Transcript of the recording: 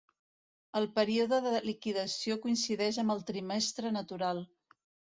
El període de liquidació coincideix amb el trimestre natural.